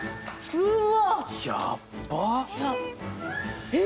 うわ。